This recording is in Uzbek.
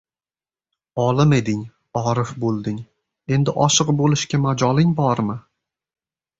Olim eding, orif bo‘lding. Endi oshiq bo‘lishga majoling bormi?